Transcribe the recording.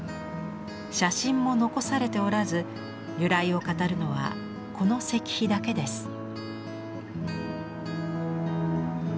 写真も残されておらず由来を語るのはこの石碑だけです。